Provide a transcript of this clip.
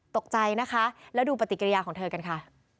ตกใจนะคะแล้วดูปฏิกิริยาของเธอกันค่ะ